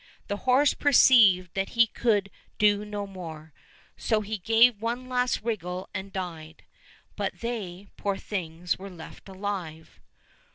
The horse perceived that he could do no more, so he 6i COSSACK FAIRY TALES gave one last wriggle and died ; but they, poor things, were left alive.